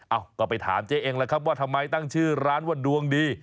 เอ้าก็ไปถามเจ๊เองแล้วครับว่าทำไมตั้งชื่อร้านว่าดวงดี